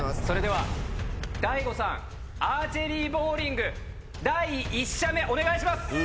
それではＤＡＩＧＯさんアーチェリーボウリング第１射目お願いします！